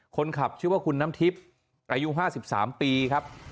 คนขับชื่อว่าคุณน้ำทิพย์อายุ๕๓ปีครับ